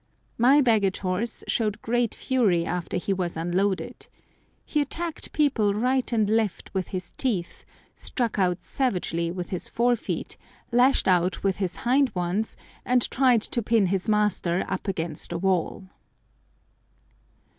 My baggage horse showed great fury after he was unloaded. He attacked people right and left with his teeth, struck out savagely with his fore feet, lashed out with his hind ones, and tried to pin his master up against a wall.